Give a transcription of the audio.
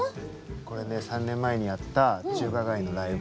これね３年前にやった中華街のライブ。